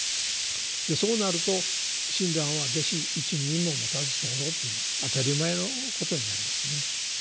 でそうなると「親鸞は弟子一人ももたずさふらふ」というのは当たり前のことになりますね。